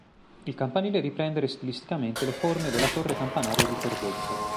Il campanile riprendere stilisticamente le forme della torre campanaria di Corbetta.